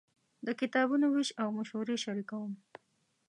د کتابونو وېش او مشورې شریکوم.